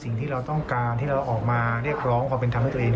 สิ่งที่เราต้องการที่เราออกมาเรียกร้องความเป็นธรรมให้ตัวเอง